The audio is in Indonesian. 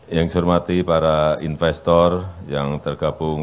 yang saya hormati para investor yang tergabung